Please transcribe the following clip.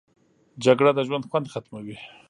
جګړه د ژوند خوند ختموي